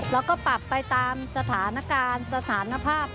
แล้วก็ปรับไปตามสถานการณ์สถานภาพ